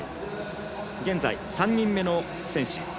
現在、３人目の選手